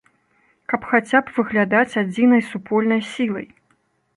Каб хаця б выглядаць адзінай супольнай сілай.